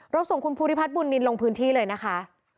ส่งคุณภูริพัฒนบุญนินลงพื้นที่เลยนะคะ